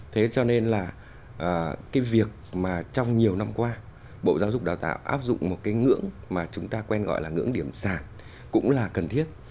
thế cho nên là cái việc mà trong nhiều năm qua bộ giáo dục đào tạo áp dụng một cái ngưỡng mà chúng ta quen gọi là ngưỡng điểm sản cũng là cần thiết